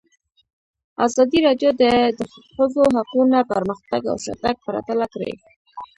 ازادي راډیو د د ښځو حقونه پرمختګ او شاتګ پرتله کړی.